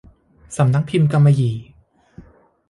สำนักพิมพ์กำมะหยี่